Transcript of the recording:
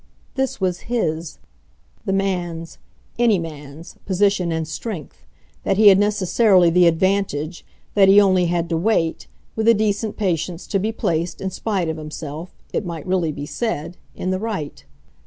This was HIS, the man's, any man's, position and strength that he had necessarily the advantage, that he only had to wait, with a decent patience, to be placed, in spite of himself, it might really be said, in the right.